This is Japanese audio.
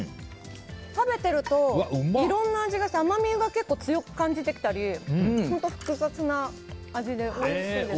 食べてると、いろんな味がして甘みが結構強く感じてきたり複雑な味で、おいしいです。